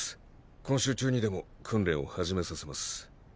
今週中にでも訓練を始めさせます。